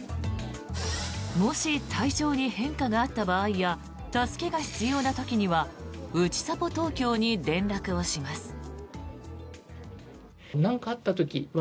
もし、体調に変化があった場合や助けが必要な時にはうちさぽ東京に連絡をします。